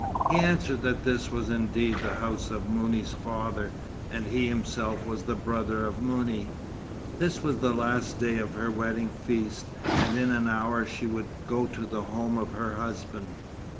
He answered that this was indeed the house of Mouni's father, and he himself was the brother of Mouni. This was the last day of her wedding feast, and in an hour she would go to the home of her husband.